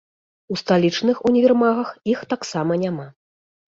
У сталічных універмагах іх таксама няма.